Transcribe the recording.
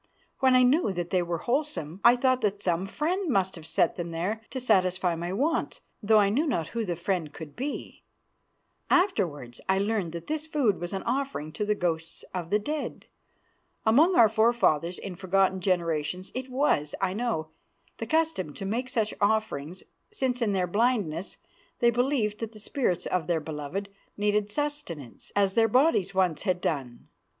When I knew that they were wholesome I thought that some friend must have set them there to satisfy my wants, though I knew not who the friend could be. Afterwards I learned that this food was an offering to the ghosts of the dead. Among our forefathers in forgotten generations it was, I know, the custom to make such offerings, since in their blindness they believed that the spirts of their beloved needed sustenance as their bodies once had done.